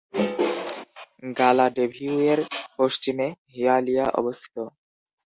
গালাডেভিউয়ের পশ্চিমে হিয়ালিয়া অবস্থিত।